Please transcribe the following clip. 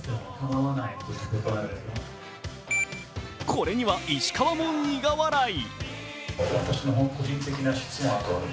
これには石川も苦笑い。